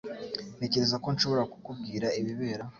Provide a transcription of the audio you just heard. Ntekereza ko nshobora kukubwira ibibera.